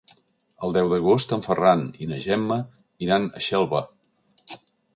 El deu d'agost en Ferran i na Gemma iran a Xelva.